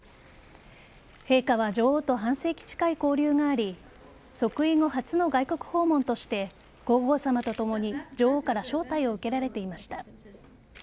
陛下は女王と半世紀近い交流があり即位後、初の外国訪問として皇后さまとともに女王から招待を受けられていました。